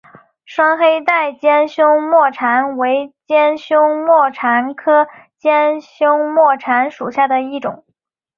双黑带尖胸沫蝉为尖胸沫蝉科尖胸沫蝉属下的一个种。